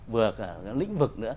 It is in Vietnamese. vừa cả lĩnh vực nữa